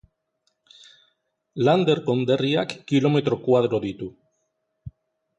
Lander konderriak kilometro koadro ditu.